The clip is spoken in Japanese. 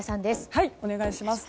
はい、お願いします。